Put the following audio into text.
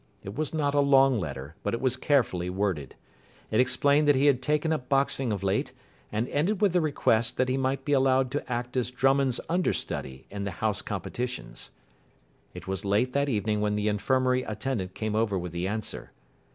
It was not a long letter, but it was carefully worded. It explained that he had taken up boxing of late, and ended with a request that he might be allowed to act as Drummond's understudy in the House competitions. It was late that evening when the infirmary attendant came over with the answer.